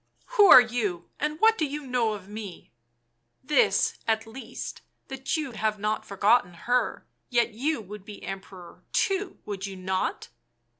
" Who are you, and what do you know of me ?" "This, at least — that you have not forgotten her! — Yet you would be Emperor, too, would you not?"